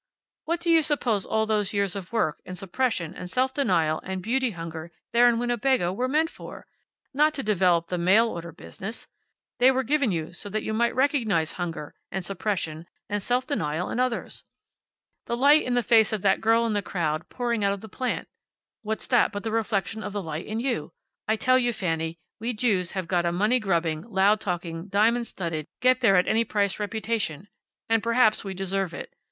What do you suppose all those years of work, and suppression, and self denial, and beauty hunger there in Winnebago were meant for! Not to develop the mail order business. They were given you so that you might recognize hunger, and suppression, and self denial in others. The light in the face of that girl in the crowd pouring out of the plant. What's that but the reflection of the light in you! I tell you, Fanny, we Jews have got a money grubbing, loud talking, diamond studded, get there at any price reputation, and perhaps we deserve it.